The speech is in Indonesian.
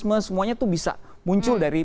komunisme semuanya itu bisa muncul dari